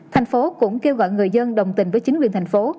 thành phố cũng kêu gọi người dân đồng tình với chính quyền thành phố